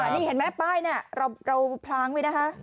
นี่เห็นไหมป้ายเนี่ยเราพล้างไว้นะคะ